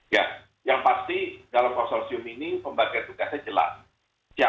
ya yang pasti dalam konsorsium ini pembagian tugasnya jelas